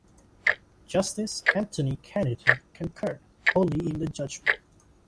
Justice Anthony Kennedy concurred only in the judgment.